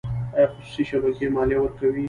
آیا خصوصي شبکې مالیه ورکوي؟